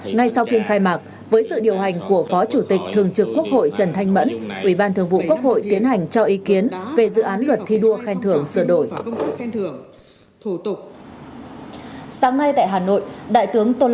ngay sau phiên khai mạc với sự điều hành của phó chủ tịch thường trực quốc hội trần thanh mẫn